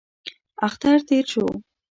اختر تېر شو.